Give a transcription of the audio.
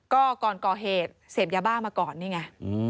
ก็ก่อนก่อเหตุเสพยาบ้ามาก่อนนี่ไง